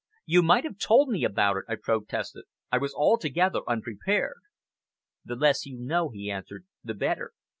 "You might have told me about it," I protested. "I was altogether unprepared." "The less you know," he answered, "the better.